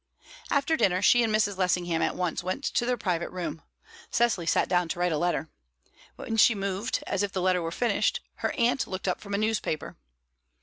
After dinner, she and Mrs. Lessingham at once went to their private room. Cecily sat down to write a letter. When she moved, as if the letter were finished, her aunt looked up from a newspaper.